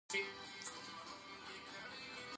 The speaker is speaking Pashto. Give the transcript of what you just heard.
افغانستان د واورو په اړه ډېرې علمي څېړنې لري.